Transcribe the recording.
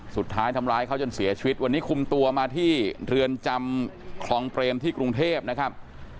สุดท้ายทำร้ายเขาจนเสียชีวิตวันนี้คุมตัวมาที่เรือนจำคลองเปรมที่กรุงเทพนะครับ